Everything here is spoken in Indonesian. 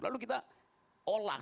lalu kita olah